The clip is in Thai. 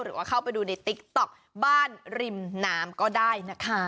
หรือว่าเข้าไปดูในติ๊กต๊อกบ้านริมน้ำก็ได้นะคะ